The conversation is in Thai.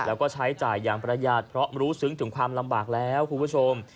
แล้วก็ใช้จ่ายอย่างประหยาดเพราะรู้ซึ้งถึงความลำบากแล้วคุณผู้ชม